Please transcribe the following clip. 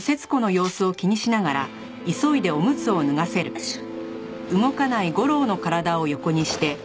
よいしょ。